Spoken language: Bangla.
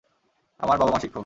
আমার বাবা-মা শিক্ষক।